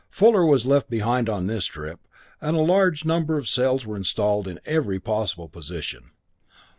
Fuller was left behind on this trip, and a large number of cells were installed in every possible position.